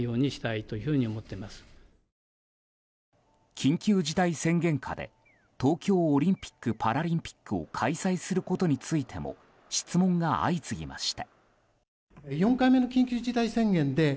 緊急事態宣言下で東京オリンピック・パラリンピックを開催することについても質問が相次ぎました。